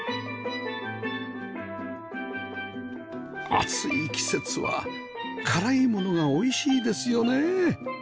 暑い季節は辛いものがおいしいですよねえ！